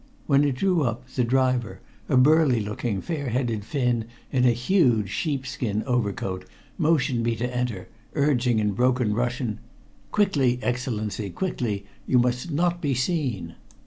When it drew up, the driver, a burly looking, fair headed Finn in a huge sheepskin overcoat, motioned me to enter, urging in broken Russian "Quickly, Excellency! quickly! you must not be seen!"